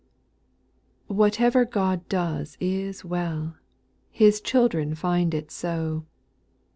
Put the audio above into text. WHATEVER God does is well 1 f f His children find it so.